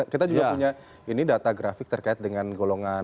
kita juga punya ini data grafik terkait dengan golongan